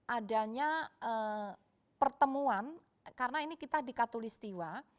adanya pertemuan karena ini kita di katolistiwa